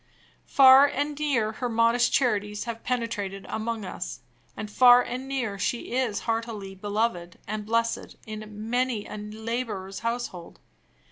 Far and near her modest charities have penetrated among us; and far and near she is heartily beloved and blessed in many a laborer's household.